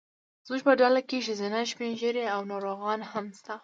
زموږ په ډله کې ښځینه، سپین ږیري او ناروغان هم شته.